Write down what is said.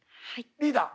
リーダー。